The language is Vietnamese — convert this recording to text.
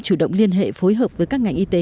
chủ động liên hệ phối hợp với các ngành y tế